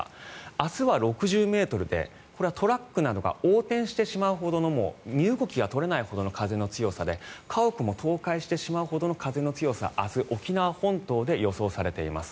明日は６０ｍでこれはトラックなどが横転してしまうほどの身動きが取れないほどの風の強さで家屋も倒壊してしまうほどの風の強さが明日、沖縄本島で予想されています。